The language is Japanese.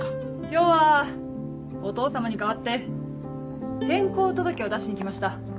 今日はお父様に代わって転校届を出しに来ました。